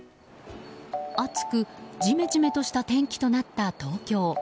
暑くジメジメとした天気となった東京。